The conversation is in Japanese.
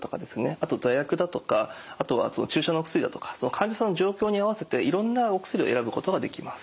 あと座薬だとかあとは注射のお薬だとか患者さんの状況に合わせていろんなお薬を選ぶことができます。